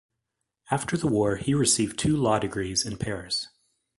After the war, he received two law degrees in Paris.